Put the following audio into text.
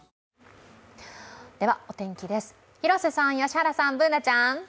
では、お天気です、広瀬さん、良原さん、Ｂｏｏｎａちゃん。